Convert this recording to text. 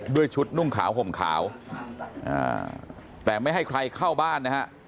ด้วยชุดนุ่งขาวห่มขาวแต่ไม่ให้ใครเข้าบ้านนะฮะ